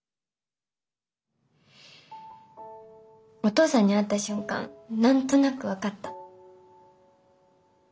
お父さんに会った瞬間何となく分かった。